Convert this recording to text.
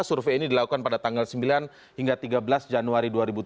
survei ini dilakukan pada tanggal sembilan hingga tiga belas januari dua ribu tujuh belas